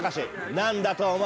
何だと思う？